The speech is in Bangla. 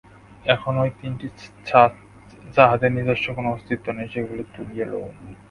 এখন ঐ তিনটি ছাঁচ, যাহাদের নিজস্ব কোন অস্তিত্ব নাই, সেগুলি তুলিয়া লউন।